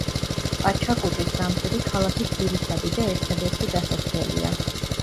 პაჩაკუტის გამზირი ქალაქის ძირითადი და ერთადერთი გასასვლელია.